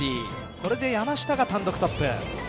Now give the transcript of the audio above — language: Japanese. これで山下が単独トップ。